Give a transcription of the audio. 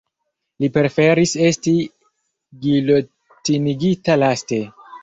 Li preferis esti gilotinigita laste.